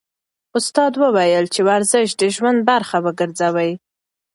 استاد وویل چې ورزش د ژوند برخه وګرځوئ.